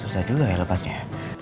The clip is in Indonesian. susah juga ya lepasnya